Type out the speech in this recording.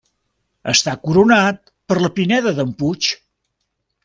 Està coronat per la pineda d'en Puig.